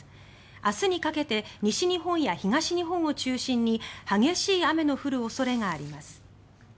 明日にかけて西日本や東日本を中心に激しい雨の降る恐れがあります。